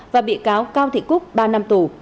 và bị cao cao thị cúc ba năm tù